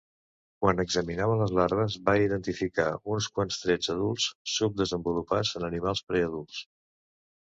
Quan examinava les larves va identificar uns quants trets adults subdesenvolupats en animals preadults.